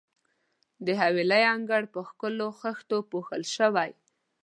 د حویلۍ انګړ په ښکلو خښتو پوښل شوی وو.